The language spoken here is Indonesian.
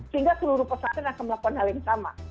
sehingga seluruh pesantren akan melakukan hal yang sama